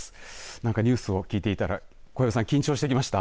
なんかニュースを聞いていたら小籔さん、緊張してきました。